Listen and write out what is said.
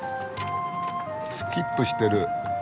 スキップしてる。